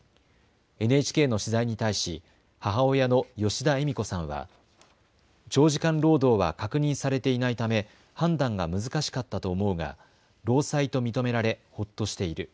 ＮＨＫの取材に対し母親の吉田惠美子さんは長時間労働は確認されていないため判断が難しかったと思うが労災と認められほっとしている。